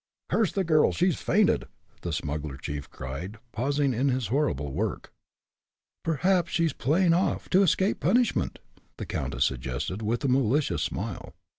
"Curse the girl! she's fainted!" the smuggler chief cried, pausing in his horrible work. "Perhaps she is playing off, to escape punishment," the countess suggested, with a malicious smile.